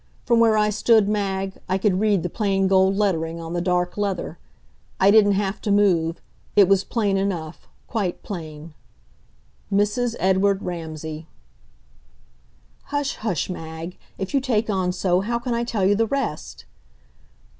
From where I stood, Mag, I could read the plain gold lettering on the dark leather. I didn't have to move. It was plain enough quite plain. Mrs. EDWARD RAMSAY Hush, hush, Mag; if you take on so, how can I tell you the rest?